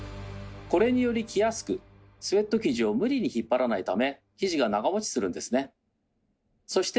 これにより着やすくスウェット生地を無理に引っ張らないため生地が長持ちするんですね。